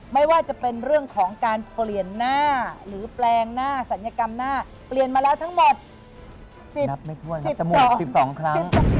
ไม่ว่าจะเป็นเรื่องของการเปลี่ยนหน้าหรือแปลงหน้าศัลยกรรมหน้า